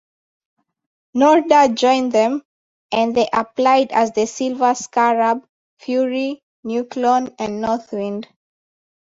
Norda joined them, and they applied as the Silver Scarab, Fury, Nuklon and Northwind.